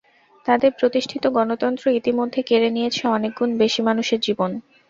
তাঁদের প্রতিষ্ঠিত গণতন্ত্র ইতিমধ্যে কেড়ে নিয়েছে কয়েক গুণ বেশি মানুষের জীবন।